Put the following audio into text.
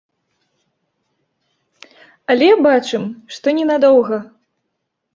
Але бачым, што ненадоўга.